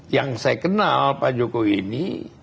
yang saya kenal pak jokowi ini